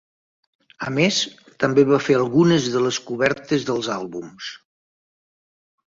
A més, també va fer algunes de les cobertes dels àlbums.